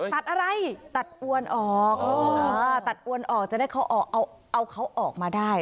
ตัดอะไรตัดอวนออกตัดอวนออกจะได้เขาออกเอาเขาออกมาได้